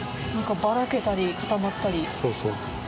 ばらけたり、かたまったり。